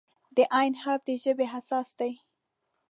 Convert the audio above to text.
د "ع" حرف د ژبې اساس دی.